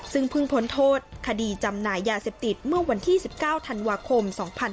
ซึ่งเพิ่งพ้นโทษคดีจำหน่ายยาเสพติดเมื่อวันที่๑๙ธันวาคม๒๕๕๙